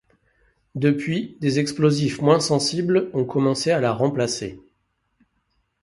Depuis des explosifs moins sensibles ont commencé à la remplacer.